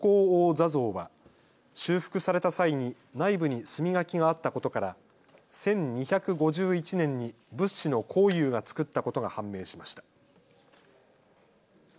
坐像は修復された際に内部に墨書きがあったことから１２５１年に仏師の幸有が造ったことが判明しました。